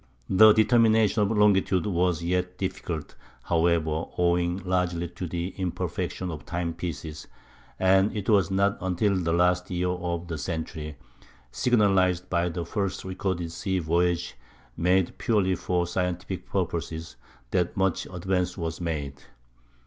The determination of longitude was yet difficult, however, owing largely to the imperfection of timepieces; and it was not until the last year of the century, signalized by the first recorded sea voyage made purely for scientific purposes, that much advance was made.